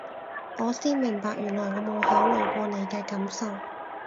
我先明白原來我冇考慮過你嘅感受